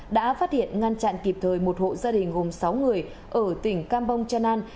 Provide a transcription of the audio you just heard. đã phát hiện ngăn chặn kịp thời một hộ gia đình gồm sáu người ở tỉnh campong chanan